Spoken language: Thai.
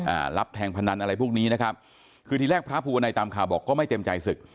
อ่ารับแทงพนันอะไรพวกนี้นะครับคือทีแรกพระภูวนัยตามข่าวบอกก็ไม่เต็มใจศึก